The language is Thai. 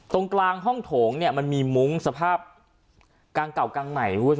ตรงกลางห้องโถงเนี่ยมันมีมุ้งสภาพกลางเก่ากลางใหม่